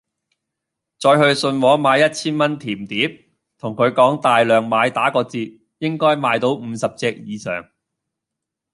再去信和買一千蚊甜碟，同佢講大量買打個折，應該買到五十隻以上